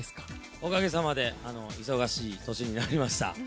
おかげさまで忙しい年になりました。